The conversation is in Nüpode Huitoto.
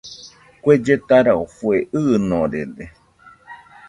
Kue lletarafue ɨɨnorede